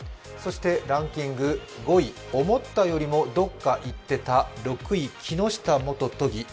そしてランキング５位、思ったよりもどっか行ってた６位、木下元都議。